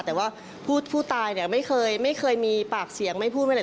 แต่ว่าผู้ตายไม่เคยมีปากเสียงไม่พูดไม่เลย